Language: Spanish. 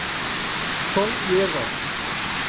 Son hierbas.